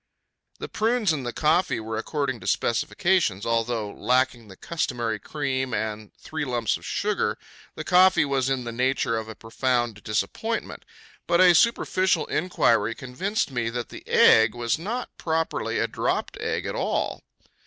The prunes and the coffee were according to specifications, although, lacking the customary cream and three lumps of sugar, the coffee was in the nature of a profound disappointment. But a superficial inquiry convinced me that the egg was not properly a dropped egg at all.